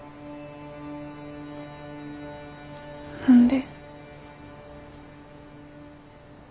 何で。